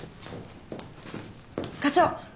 課長！